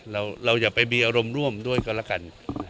เราอย่าไปมีอารมณ์ร่วมด้วยก็แล้วกัน